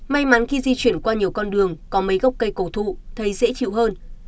may mắn khi di chuyển qua nhiều con đường có mấy gốc cây cầu thụ thấy dễ chịu hơn